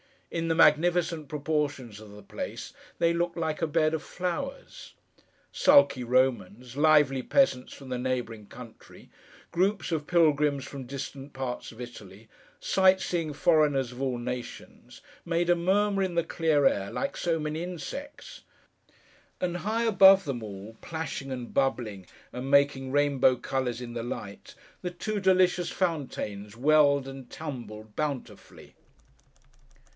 In the magnificent proportions of the place they looked like a bed of flowers. Sulky Romans, lively peasants from the neighbouring country, groups of pilgrims from distant parts of Italy, sight seeing foreigners of all nations, made a murmur in the clear air, like so many insects; and high above them all, plashing and bubbling, and making rainbow colours in the light, the two delicious fountains welled and tumbled bountifully.